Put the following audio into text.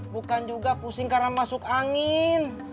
bukan juga pusing karena masuk angin